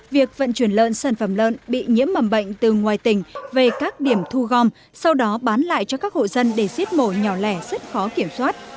việc vận chuyển lợn sản phẩm lợn bị nhiễm mầm bệnh từ ngoài tỉnh về các điểm thu gom sau đó bán lại cho các hộ dân để giết mổ nhỏ lẻ rất khó kiểm soát